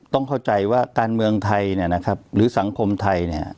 ต้องเข้าใจว่าการเมืองไทยเนี่ยนะครับหรือสังคมไทยเนี่ย